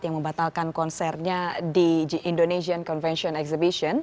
yang membatalkan konsernya di indonesian convention exhibition